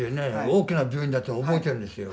大きな病院だって覚えてるんですよ。